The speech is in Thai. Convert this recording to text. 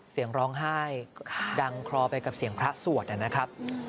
เสียงร้องไห้ดังคลอไปกับเสียงพระสวดนะครับ